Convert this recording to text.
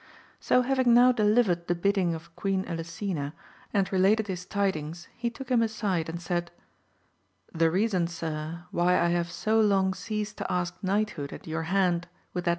So having now delivered the bidding of Queen Elisena, and related his tidings he took him aside and said— The reason, sir, why I have so long ceased to ask knighthood at your hand with that AMADIS OF GAUL.